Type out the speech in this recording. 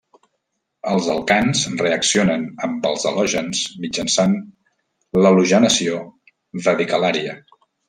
Els alcans reaccionen amb els halògens mitjançant l'halogenació radicalària.